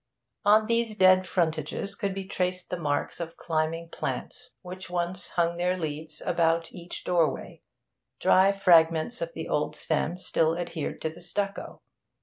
On these dead frontages could be traced the marks of climbing plants, which once hung their leaves about each doorway; dry fragments of the old stem still adhered to the stucco.